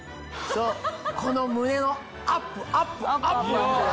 この胸のアップアップアップを。